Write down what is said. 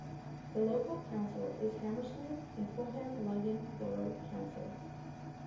The local council is Hammersmith and Fulham London Borough Council.